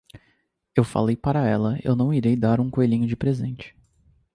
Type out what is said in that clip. Eu falei para ela, eu não irei dar um coelhinho de presente.